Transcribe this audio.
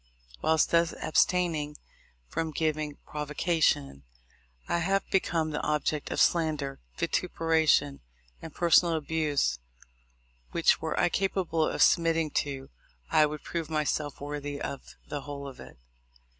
Whilst thus abstaining from giving provocation, 1 have become the object of slander, vituperation, and personal abuse which, were I capable of submitting to, I would prove myself worthy of the whole of it.